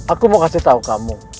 aku mau kasih tahu kamu